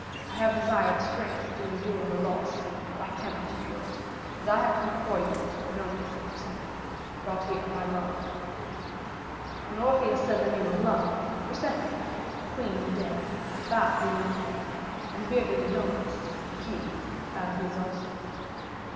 I have desired strength to endure her loss, but I cannot endure it. And I come before you, Aidoneus and Persephone, brought here by Love." When Orpheus said the name of Love, Persephone, the queen of the dead, bowed her young head, and bearded Aidoneus, the king, bowed his head also.